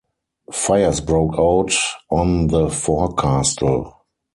Fires broke out on the forecastle.